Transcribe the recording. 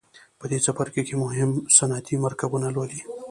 په دې څپرکي کې مهم صنعتي مرکبونه لولئ.